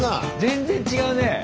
全然違うねえ。